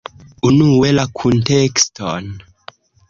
Unue la kuntekston.